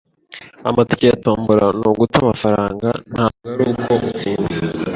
"Amatike ya tombora ni uguta amafaranga." "Ntabwo ari uko utsinze."